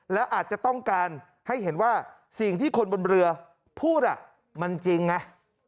แล้วอาจจะต้องการให้เห็นว่าสิ่งที่คนบนเรือพูดมันจริงไง